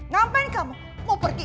ngapain kamu mau pergi